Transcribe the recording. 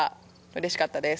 うれしかったです。